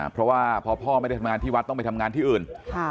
เพราะว่าพอพ่อไม่ได้ทำงานที่วัดต้องไปทำงานที่อื่น